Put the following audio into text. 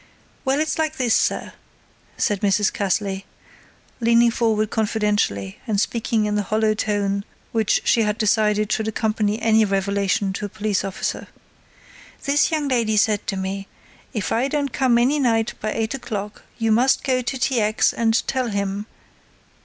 "Well, it's like this, sir," said Mrs. Cassley, leaning forward confidentially and speaking in the hollow tone which she had decided should accompany any revelation to a police officer, "this young lady said to me, 'If I don't come any night by 8 o'clock you must go to T. X. and tell him